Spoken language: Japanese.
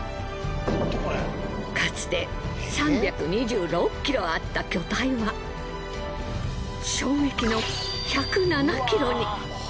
かつて３２６ｋｇあった巨体は衝撃の１０７ｋｇに。